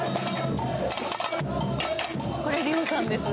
これりおさんです